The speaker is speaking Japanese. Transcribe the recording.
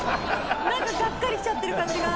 なんかガッカリしちゃってる感じが。